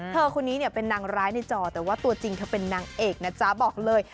คนนี้เนี่ยเป็นนางร้ายในจอแต่ว่าตัวจริงเธอเป็นนางเอกนะจ๊ะบอกเลย